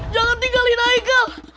jangan tinggalin haikal